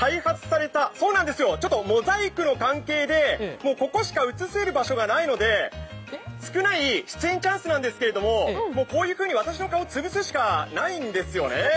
モザイクの関係で、ここしか映せる場所がないので少ない出演チャンスなんですけど、こういうふうに私の顔潰すしかないんですよね。